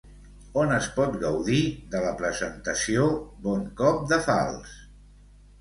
On es pot gaudir de la presentació "Bon cop de falç"?